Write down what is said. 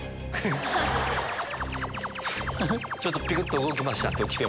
ちょっとピクっと動きましたね。